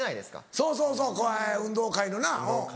そうそうそう運動会のなうん。